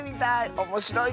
おもしろいね。